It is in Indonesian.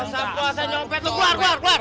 lu keluar keluar keluar